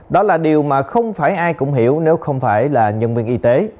đó là điều mà không phải ai cũng hiểu nếu không phải là nhân viên y tế